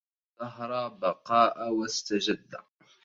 أخلق الدهر بقاء واستجد